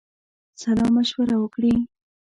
سالامشوره وکړي.